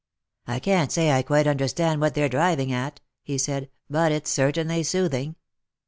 " I can't say I quite understand what they're driving at," he said ;" but it's certainly soothing."